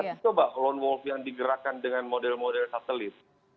coba lone wolf yang digerakkan dengan model model satelit